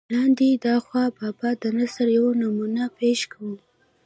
لاندې دَاخون بابا دَنثر يوه نمونه پېش کوم